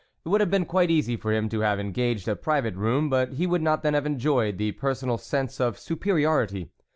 It would have been quite easy for him to have engaged a private room, but he would not then have enjoyed the personal sense of superiority.